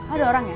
ada orang ya